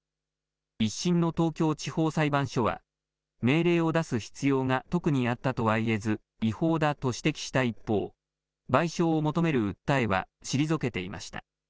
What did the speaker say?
１審の東京地方裁判所は、命令を出す必要が特にあったとは言えず、違法だと指摘した一方、賠償を求める訴えは退けていました。